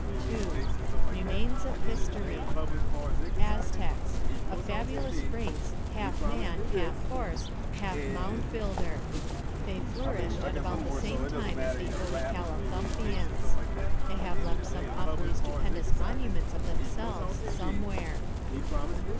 II. REMAINS OF HISTORY Aztecs: A fabulous race, half man, half horse, half mound builder. They flourished at about the same time as the early Calithumpians. They have left some awfully stupendous monuments of themselves somewhere.